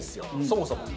そもそも。